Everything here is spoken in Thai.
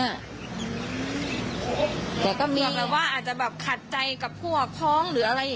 อยากลีกานจะจะขัดใจกับพ่อพ้อง